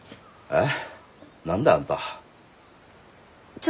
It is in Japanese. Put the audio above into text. えっ？